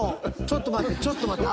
ちょっと待ってちょっと待って。